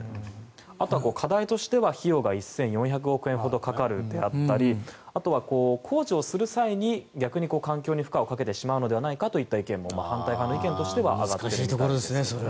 あとは課題としては費用が１４００億円ほどかかるであったりあとは工事をする際に逆に環境に負荷をかけてしまうのではないかという意見も、反対派の意見としては上がっているところです。